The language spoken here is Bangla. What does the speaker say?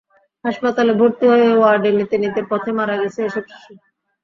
হাসপাতালে ভর্তি হয়ে ওয়ার্ডে নিতে নিতে পথে মারা গেছে এসব শিশু।